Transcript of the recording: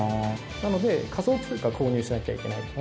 なので仮想通貨を購入しなきゃいけない。